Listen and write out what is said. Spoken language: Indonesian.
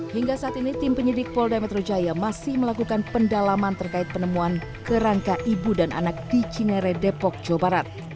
hingga saat ini tim penyidik polda metro jaya masih melakukan pendalaman terkait penemuan kerangka ibu dan anak di cinere depok jawa barat